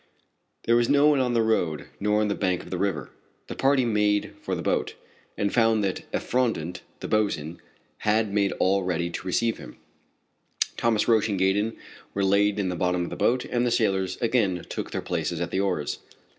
There was no one on the road, nor on the bank of the river. The party made for the boat, and found that Effrondat, the boatswain, had made all ready to receive them. Thomas Roch and Gaydon were laid in the bottom of the boat, and the sailors again took their places at the oars.